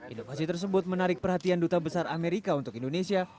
inovasi tersebut menarik perhatian duta besar amerika untuk indonesia